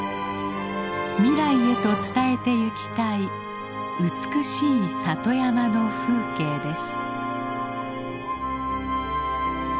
未来へと伝えてゆきたい美しい里山の風景です。